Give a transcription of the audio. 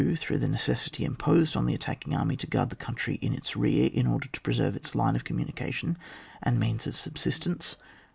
Through the necessity imposed on the attacking army to guai'd the country in its rear, in order to preserve its line of communication and means of sub sistence.